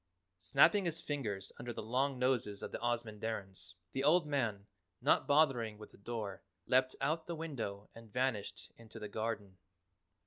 Snapping his fingers under the long noses of the Ozamandarins, the old man, not bothering with the door, leapt out the window and vanished into the garden.